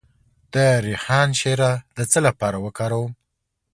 د ریحان شیره د څه لپاره وکاروم؟